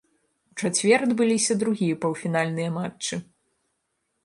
У чацвер адбыліся другія паўфінальныя матчы.